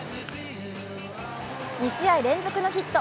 ２試合連続のヒット。